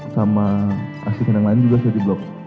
sama asli kenang lain juga saya diblok